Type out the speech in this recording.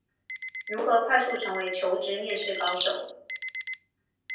如何快速成為求職面試高手